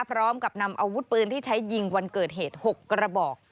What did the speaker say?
พร้อมกับนำอาวุธปืนที่ใช้ยิงวันเกิดเหตุ๖กระบอก